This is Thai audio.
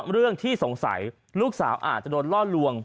เรื่องที่สงสัยลูกสาวอาจจะโดนล่อลวง